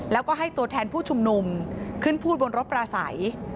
แล้วก็ให้ตัวแทนผู้ชุมนุมขึ้นพูดบนรถปลาใส